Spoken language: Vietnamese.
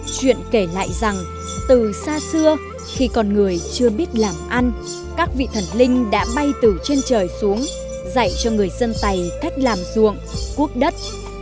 chuyện kể lại rằng từ xa xưa khi con người chưa biết làm ăn các vị thần linh đã bay từ trên trời xuống dạy cho người dân tày cách làm ruộng quốc đất